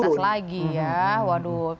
imunitas lagi ya waduh